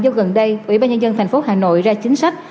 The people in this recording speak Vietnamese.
do gần đây ubnd tp hcm ra chính sách